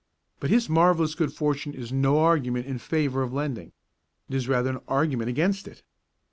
But his marvellous good fortune is no argument in favour of lending; it is rather an argument against it.